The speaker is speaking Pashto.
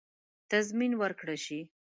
تضمین ورکړه شي.